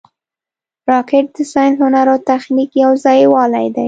راکټ د ساینس، هنر او تخنیک یو ځای والې دی